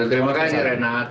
terima kasih renat